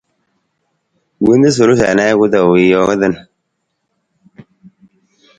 Wonta suulung sa a wan ajuku taa wii jawang ka paa.